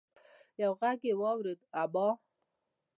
يو غږ يې واورېد: ابا!